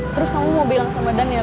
terus kamu mau bilang sama daniel